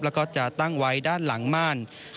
แล้วก็จะตั้งไว้ด้านหลังม่าน